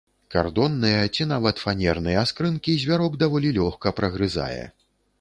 Кардонныя ці нават фанерныя скрынкі звярок даволі лёгка прагрызае.